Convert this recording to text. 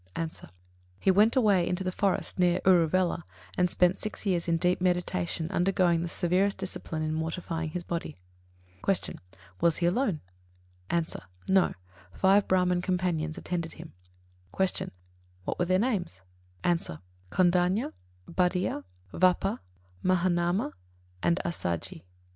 _ A. He went away into the forest near Uruvela, and spent six years in deep meditation, undergoing the severest discipline in mortifying his body. 52. Q. Was he alone? A. No; five Brāhman companions attended him. 53. Q. What were their names? A. Kondañña, Bhaddiya, Vappa, Mahānāma, and Assaji.